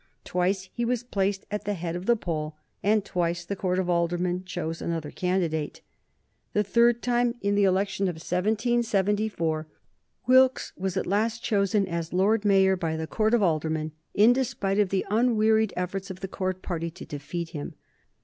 Twice he was placed at the head of the poll, and twice the Court of Aldermen chose another candidate. The third time, in the election of 1774, Wilkes was at last chosen as Lord Mayor by the Court of Aldermen in despite of the unwearied efforts of the Court party to defeat him.